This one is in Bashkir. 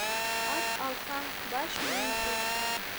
Ат алһаң, баш менән түш ал